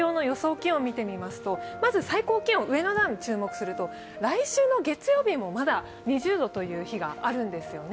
気温を見てみますとまず最高気温、上の段に注目すると来週の月曜日もまだ２０度という日があるんですよね。